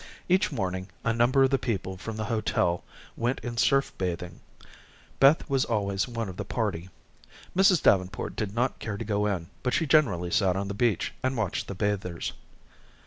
Each morning, a number of the people from the hotel went in surf bathing. Beth was always one of the party. Mrs. Davenport did not care to go in, but she generally sat on the beach and watched the bathers.